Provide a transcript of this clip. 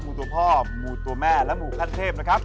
ตัวพ่อหมู่ตัวแม่และหมู่ขั้นเทพนะครับ